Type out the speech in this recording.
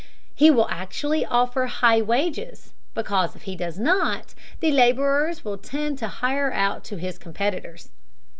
He will actually offer high wages, because if he does not, the laborers will tend to hire out to his competitors.